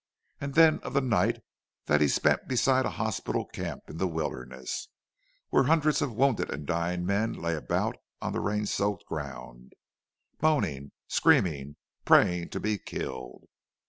And then of the night that he spent beside a hospital camp in the Wilderness, where hundreds of wounded and dying men lay about on the rain soaked ground, moaning, screaming, praying to be killed.